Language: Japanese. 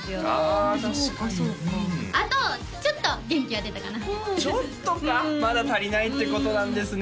あ確かにそうかそうかあとちょっと元気が出たかなちょっとかまだ足りないってことなんですね